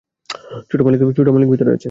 ছোট মালিক, ভিতরে আছে।